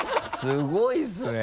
すごいですね。